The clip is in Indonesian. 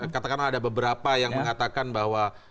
katakanlah ada beberapa yang mengatakan bahwa